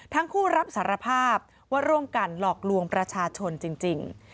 ทั้งคู่รับสารภาพว่าร่วมกันหลอกลวงประชาชนจริง